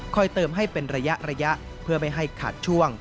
เติมให้เป็นระยะเพื่อไม่ให้ขาดช่วง